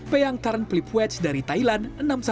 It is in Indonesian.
peyang tarnplipwets dari thailand enam satu enam empat